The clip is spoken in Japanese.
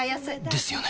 ですよね